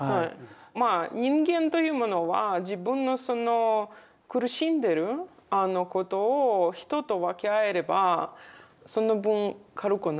まあ人間というものは自分のその苦しんでることを人と分け合えればその分軽くなりますから。